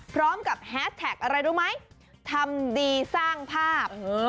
พร้อมกับแฮสแท็กอะไรรู้ไหมทำดีสร้างภาพ